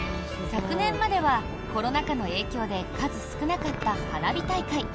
昨年まではコロナ禍の影響で数少なかった花火大会。